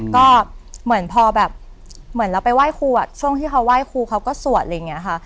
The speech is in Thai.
ก็เหมือนพอแบบเหมือนเราไปไหว้ครูช่วงที่เขาไหว้ครูเขาก็สวดอะไรอย่างนี้ค่ะ